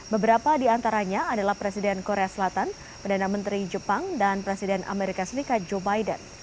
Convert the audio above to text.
beberapa di antaranya adalah presiden korea selatan perdana menteri jepang dan presiden amerika serikat joe biden